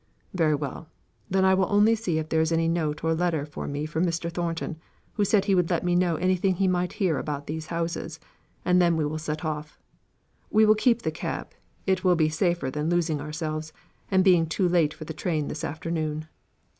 "Very well. Then I will only see if there is any note or letter for me from Mr. Thornton, who said he would let me know anything he might hear about these houses, and then we will set off. We will keep the cab; it will be safer than losing ourselves, and being too late for the train this afternoon."